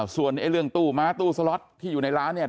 ส่วนเรื่องตู้ม้าตู้สล็อตที่อยู่ในร้านเนี่ย